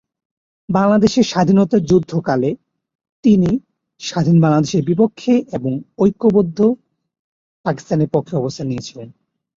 বাংলাদেশের স্বাধীনতা যুদ্ধ কালে তিনি স্বাধীন বাংলাদেশের বিপক্ষে এবং ঐক্যবদ্ধ পাকিস্তানের পক্ষে অবস্থান নিয়েছিলেন।